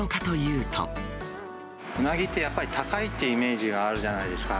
うなぎってやっぱり高いというイメージがあるじゃないですか。